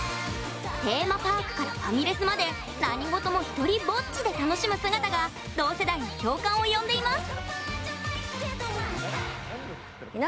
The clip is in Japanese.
テーマパークからファミレスまで何事もひとりぼっちで楽しむ姿が同世代に共感を呼んでいます